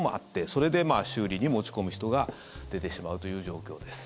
それで修理に持ち込む人が出てしまうという状況です。